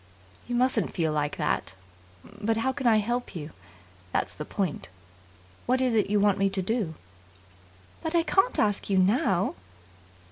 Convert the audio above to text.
"You mustn't feel like that. How can I help you? That's the point. What is it you want me to do?" "But I can't ask you now."